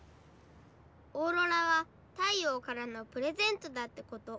オーロラは太陽からのプレゼントだってこと。